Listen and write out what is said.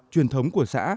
truyền thống của xã